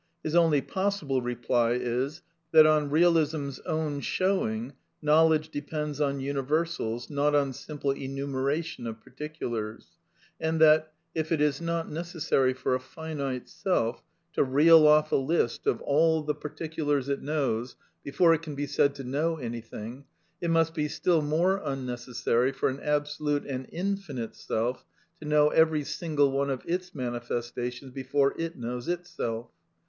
His only possible reply is, that on Real ism's own showing, knowledge depends on universals, not on simple enumeration of particulars; and that, if it is not necessary for a finite self to reel off a list of all the 800 A DEFENCE OF IDEALISM particulars it knows, before it can be said to know any thing, it must be still more unnecessary for an absolute and infinite Self to know every single one of its mani festations before it knows Itself.